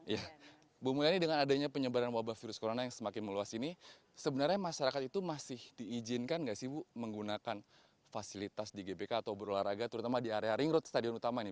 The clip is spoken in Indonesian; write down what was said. ibu mulyani dengan adanya penyebaran wabah virus corona yang semakin meluas ini sebenarnya masyarakat itu masih diizinkan gak sih ibu menggunakan fasilitas di gbk atau berolahraga terutama di area ring road